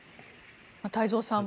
太蔵さん